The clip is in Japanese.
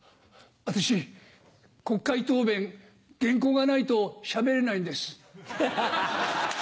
私国会答弁原稿がないとしゃべれないんです。